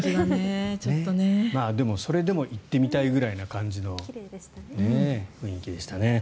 でも、それでも行ってみたいくらいな感じの雰囲気でしたね。